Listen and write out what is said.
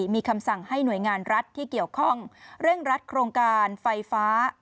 มีคำสั่งให้หน่วยงานรัฐที่เกี่ยวข้องเร่งรัดโครงการไฟฟ้า